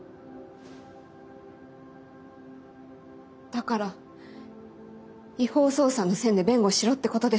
だから違法捜査の線で弁護しろってことですか？